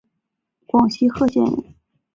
广西贺县人。